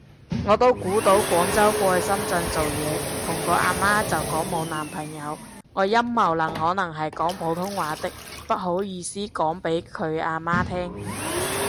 我都估到廣州過去深圳做嘢，同個啊媽就講冇男朋友。，我陰謀論可能係講普通話的，不好意思講畀佢啊媽聼